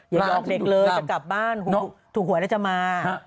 อย่าบอกเด็กเลยจะกลับบ้านถูกหวยแล้วจะมา